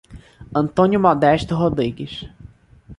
Antônio Modesto Rodrigues